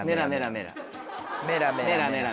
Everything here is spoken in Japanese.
メラメラメラ。